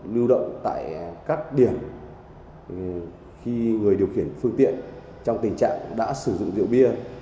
lưu động tại các điểm khi người điều khiển phương tiện trong tình trạng đã sử dụng rượu bia